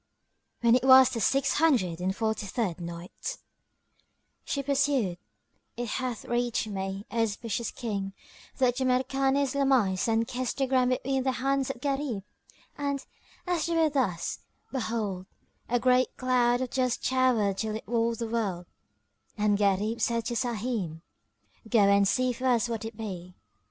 When it was the Six Hundred and Forty third Night, She pursued, It hath reached me, O auspicious King, that Jamrkan islamised and kissed the ground between the hands of Gharib; and, as they were thus, behold, a great cloud of dust towered till it walled the wold and Gharib said to Sahim, "Go and see for us what it be."